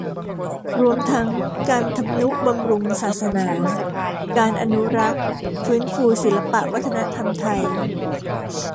รวมทั้งการทำนุบำรุงศาสนา การอนุรักษ์ ฟื้นฟู ศิลปวัฒนธรรมไทย